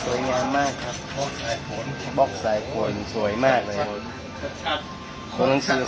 สวยงามมากครับบอกสายขนบอกสายขนสวยมากเลยครับขนชื่อ